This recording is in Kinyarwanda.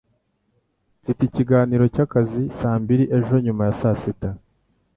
Mfite ikiganiro cyakazi saa mbiri ejo nyuma ya saa sita.